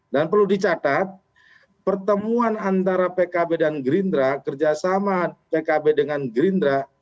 dan perlu dicatat pertemuan antara pkb dan gerindra kerjasama pkb dengan gerindra